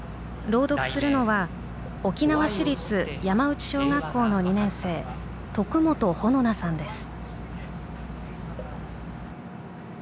朗読するのは沖縄市立山内小学校の２年生徳元穂菜さんです。